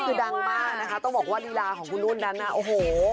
คือดังมากนะคะต้องบอกว่าลีลาของคุณนุ่นนั้นน่ะโอ้โห